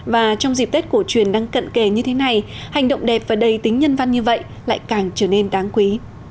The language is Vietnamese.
và trong dịp tết cổ truyền đang cận kề như thế này hành động đẹp và đầy tính nhân văn như vậy lại càng trở nên đáng quý